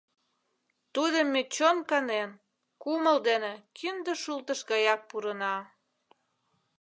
Тудым ме чон канен, кумыл дене кинде шултыш гаяк пурына.